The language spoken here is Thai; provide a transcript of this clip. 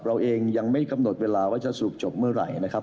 เราเองยังไม่กำหนดเวลาว่าจะสรุปจบเมื่อไหร่นะครับ